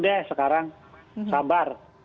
deh sekarang sabar